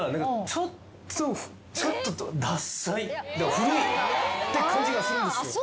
古いって感じがするんですよ。